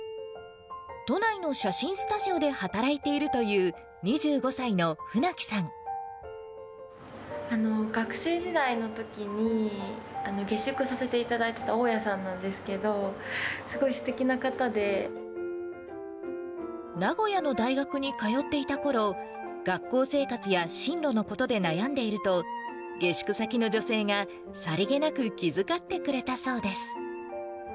都内の写真スタジオで働いて学生時代のときに、下宿させていただいてた大家さんなんですけど、すごいすてきな方名古屋の大学に通っていたころ、学校生活や進路のことで悩んでいると、下宿先の女性が、さりげなく気遣ってくれたそうです。